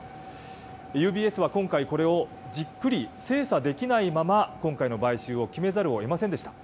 ＵＢＳは今回、これをじっくり精査できないまま、今回の買収を決めざるをえませんでした。